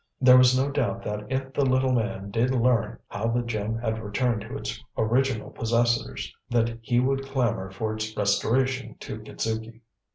There was no doubt that if the little man did learn how the gem had returned to its original possessors, that he would clamour for its restoration to Kitzuki.